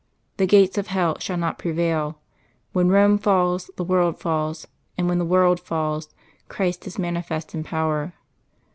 The gates of hell shall not prevail: when Rome falls, the world falls; and when the world falls, Christ is manifest in power.